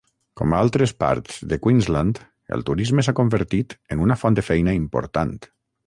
Com a altres parts de Queensland, el turisme s'ha convertit en una font de feina important.